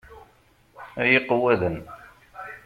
Ay iqewwaden!